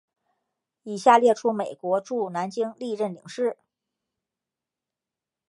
以下列出美国驻南京历任领事。